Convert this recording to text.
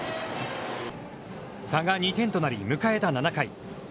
差が２点となり、迎えた７回。